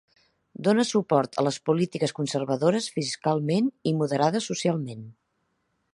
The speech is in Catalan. Dona suport a les polítiques conservadores fiscalment i moderades socialment.